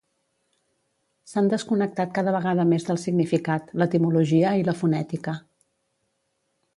S'han desconnectat cada vegada més del significat, l'etimologia i la fonètica.